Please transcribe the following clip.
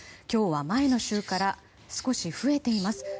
今日は前の週から少し増えています。